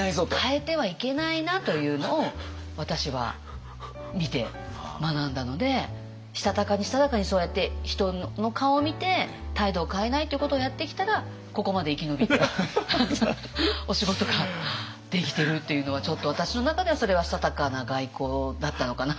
変えてはいけないなというのを私は見て学んだのでしたたかにしたたかにそうやって人の顔を見て態度を変えないということをやってきたらここまで生き延びてお仕事ができているというのはちょっと私の中ではそれはしたたかな外交だったのかなっていう。